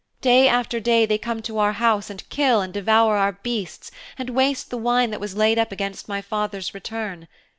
Day after day they come to our house and kill and devour our beasts and waste the wine that was laid up against my father's return.